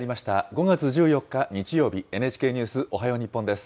５月１４日日曜日、ＮＨＫニュースおはよう日本です。